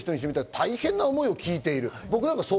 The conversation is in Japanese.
大変な思いを聞いている。